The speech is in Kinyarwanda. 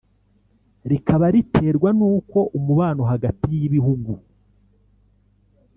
rikaba riterwa n’uko umubano hagati y’ibihugu